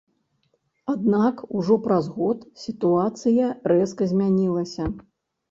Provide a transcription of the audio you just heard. Аднак ужо праз год сітуацыя рэзка змянілася.